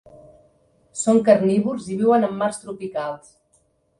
Són carnívors i viuen en mars tropicals.